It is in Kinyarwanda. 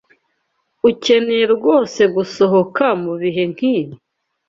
Ukeneye rwose gusohoka mubihe nkibi?